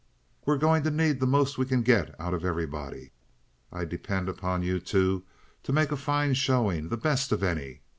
"We're going to need the most we can get out of everybody. I depend on you two to make a fine showing—the best of any.